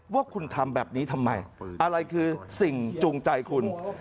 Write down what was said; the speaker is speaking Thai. ว่าคุณทำแบบนี้ทำไมอะไรคือสิ่งจูงใจคุณ